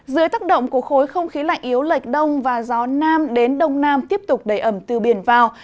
dưới tác động của khối không khí lạnh yếu lệch đông và gió nam đến đông nam tiếp tục đẩy ẩm từ biển vào